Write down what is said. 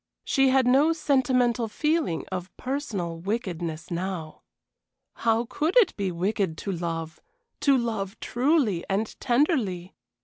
She had no sentimental feeling of personal wickedness now. How could it be wicked to love to love truly and tenderly?